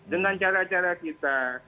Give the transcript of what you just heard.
dengan cara cara kita